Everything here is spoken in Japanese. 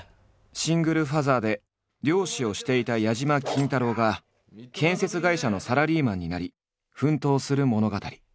シングルファーザーで漁師をしていた矢島金太郎が建設会社のサラリーマンになり奮闘する物語。